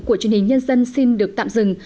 của truyền hình nhân dân xin được tạm dừng